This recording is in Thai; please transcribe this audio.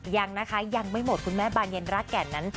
ยังนะคะยังไม่หมดคุณแม่บานเย็นรากแก่นนั้น